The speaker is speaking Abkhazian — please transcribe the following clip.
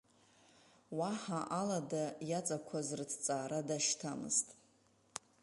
Уаҳа алада иаҵақәаз рыҭҵаара дашьҭамызт.